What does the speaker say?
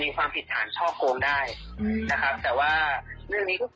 แล้วเขาเกิดเปลี่ยนใจมาตอนหลังนี้เอง